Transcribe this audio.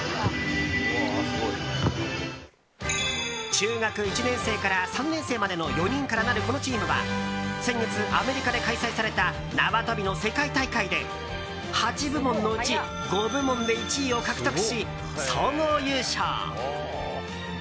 中学１年生から３年生までの４人からなるこのチームは先月、アメリカで開催された縄跳びの世界大会で８部門のうち５部門で１位を獲得し総合優勝。